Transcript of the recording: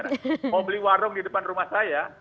mau beli warung di depan rumah saya